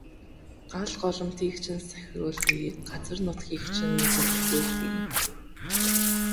Гал голомтыг чинь сахиулъя. Газар нутгийг чинь эзлүүлъе.